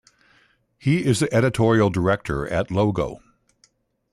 He is the editorial director at Logo.